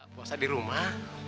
puasa di rumah